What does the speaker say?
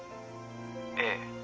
☎ええ